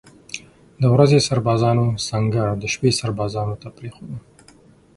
د ورځې سربازانو سنګر د شپې سربازانو ته پرېښوده.